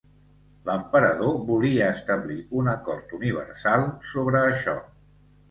L'emperador volia establir un acord universal sobre això.